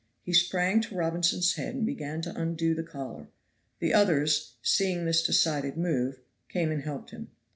He sprang to Robinson's head and began to undo the collar. The others, seeing this decided move, came and helped him.